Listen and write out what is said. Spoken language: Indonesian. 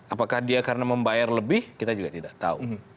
apakah dia karena membayar lebih kita juga tidak tahu